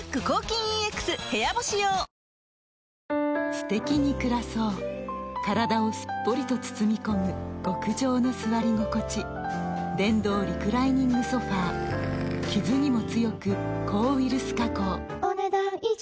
すてきに暮らそう体をすっぽりと包み込む極上の座り心地電動リクライニングソファ傷にも強く抗ウイルス加工お、ねだん以上。